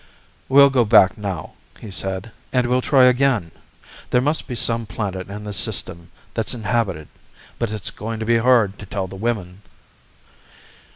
"We'll go back now," he said, "and we'll try again. There must be some planet in this system that's inhabited. But it's going to be hard to tell the women."